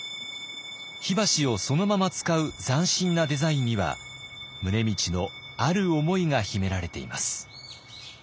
火箸をそのまま使う斬新なデザインには宗理のある思いが秘められています。